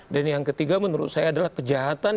dan yang ketiga menurut saya adalah kejahatan